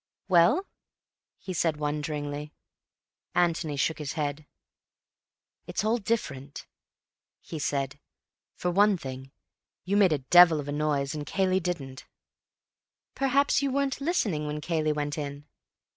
"Well?" he said wonderingly. Antony shook his head. "It's all different," he said. "For one thing, you made a devil of a noise and Cayley didn't." "Perhaps you weren't listening when Cayley went in?"